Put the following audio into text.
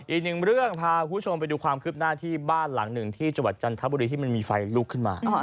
อีกหนึ่งเรื่องพาคุณผู้ชมไปดูความคืบหน้าที่บ้านหลังหนึ่งที่จังหวัดจันทบุรีที่มันมีไฟลุกขึ้นมา